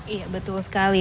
iya betul sekali